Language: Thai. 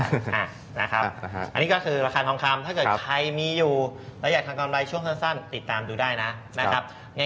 อันนี้ก็คือราคาทองคำถ้าเกิดใครมีอยู่แล้วอยากทำกำไรช่วงสั้นติดตามดูได้นะครับ